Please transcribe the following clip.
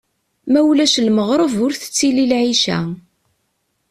Ma ulac lmeɣreb ur tettili lɛica.